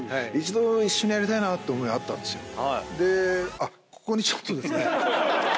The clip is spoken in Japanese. あっここにちょっとですね。